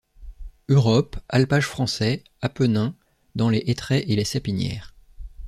Europe, Alpages français, Appenins, dans les hêtraies et les sapinières.